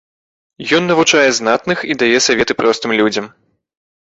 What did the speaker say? Ён навучае знатных і дае саветы простым людзям.